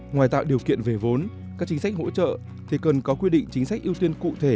ngoài tạo điều kiện về vốn các chính sách hỗ trợ thì cần có quy định chính sách ưu tiên cụ thể